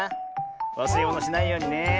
わすれものしないようにね。